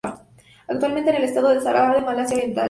Actualmente, es el estado de Sabah en Malasia Oriental.